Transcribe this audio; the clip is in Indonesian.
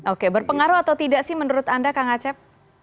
oke berpengaruh atau tidak sih menurut anda kang acep